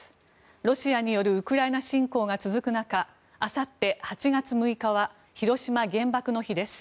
ロシアによるウクライナ侵攻が続く中あさって、８月６日は広島・原爆の日です。